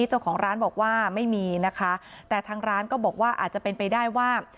เจ้าของร้านบอกว่าไม่มีนะคะแต่ทางร้านก็บอกว่าอาจจะเป็นไปได้ว่า